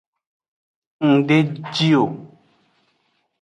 Ng de ji o.